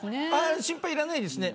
心配いらないですね